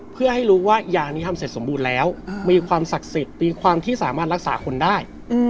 เพื่อให้รู้ว่ายานี้ทำเสร็จสมบูรณ์แล้วมีความศักดิ์สิทธิ์มีความที่สามารถรักษาคนได้